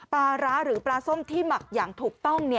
ปลาร้าหรือปลาส้มที่หมักอย่างถูกต้อง